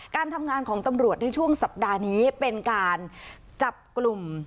การทำงานของตำรวจในช่วงสัปดาห์นี้เป็นการจับกลุ่ม